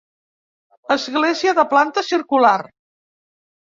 Església de planta circular.